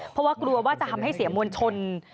เพราะว่ากลัวว่าจะทำให้เสียมวลชน